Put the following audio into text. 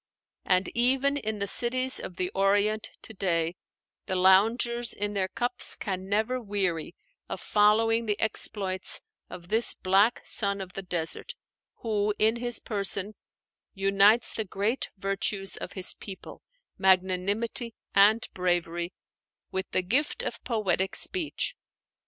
And even in the cities of the Orient to day, the loungers in their cups can never weary of following the exploits of this black son of the desert, who in his person unites the great virtues of his people, magnanimity and bravery, with the gift of poetic speech.